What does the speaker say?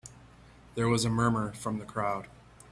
There was a murmur from the crowd.